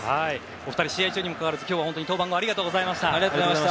お二人は試合中にもかかわらず今日は登板後ありがとうございました。